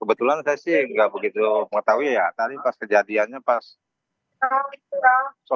kebetulan saya sih nggak begitu mengetahui ya tadi pas kejadiannya pas